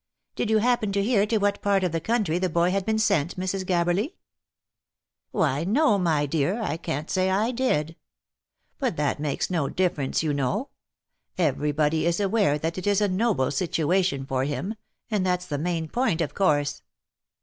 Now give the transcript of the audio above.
" Did you happen to hear to what part of the country the boy had been sent, Mrs. Gabberly?" " Why, no ! my dear, I can't say I did. But that makes no differ ence you know. Every body is aware that it is a noble situation for him, and that's the main point of course."